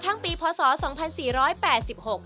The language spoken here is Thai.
สวัสดีครับสวัสดีครับสวัสดีครับสวัสดีครับ